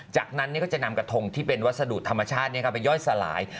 จากนั้นก็จะนำกระทงที่เป็นวัสดุธรรมชาติไปย่อยสลาย